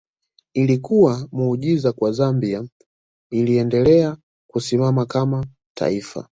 Ilikuwa muujiza kwa Zambia iliendelea kusimama kama taifa